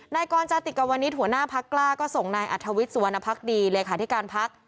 นายก้อนจะติดกับวันนี้ถัวหน้าภักดิ์กล้าก็ส่งนายอัธวิชสวนภักดิ์เลขาที่การภักดิ์